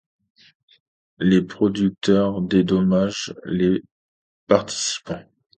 Les producteurs dédommagent les participants.